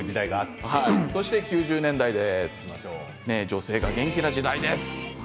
９０年代女性が元気な時代です。